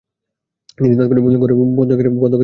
তিনি তাৎক্ষণিক ঘরের দরজা বাইরে থেকে বন্ধ করে পুলিশে খবর দেন।